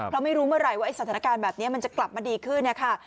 เพราะไม่รู้เมื่อไหร่ว่าสถานการณ์แบบนี้มันจะกลับมาดีขึ้นนะคะ